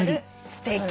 すてきよ。